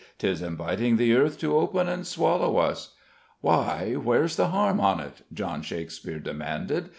"'Tis inviting the earth to open and swallow us." "Why, where's the harm on't?" John Shakespeare demanded.